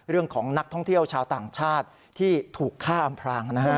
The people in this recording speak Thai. เรื่องของนักท่องเที่ยวชาวต่างชาติที่ถูกฆ่าอำพรางนะฮะ